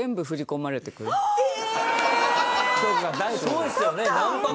そうですよね。